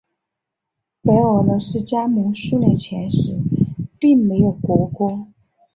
白俄罗斯加盟苏联前时并没有国歌。